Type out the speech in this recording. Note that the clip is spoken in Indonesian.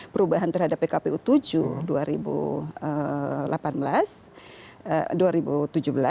perubahan terhadap pkpu tujuh dua ribu delapan belas